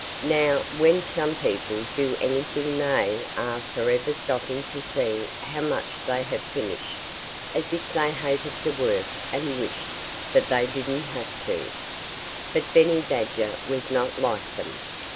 Now, when some people do anything they are forever stopping to see how much they have finished, as if they hated to work and wished that they didn't have to. But Benny Badger was not like them.